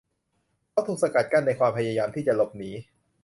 เขาถูกสกัดกั้นในความพยายามที่จะหลบหนี